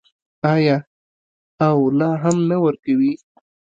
آیا او لا هم نه ورکوي؟